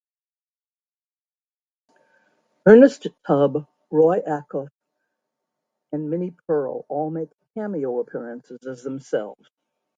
Ernest Tubb, Roy Acuff, and Minnie Pearl all make cameo appearances as themselves.